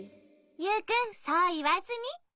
ユウくんそういわずに。